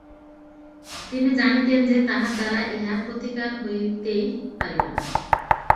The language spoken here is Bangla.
তিনি জানিতেন যে তাঁহার দ্বারা ইহার প্রতিকার হইতেই পারিবে না।